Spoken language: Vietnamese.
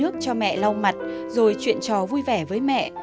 nước cho mẹ lau mặt rồi chuyện trò vui vẻ với mẹ